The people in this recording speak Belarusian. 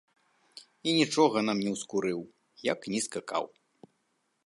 І нічога нам не ўскурыў, як ні скакаў.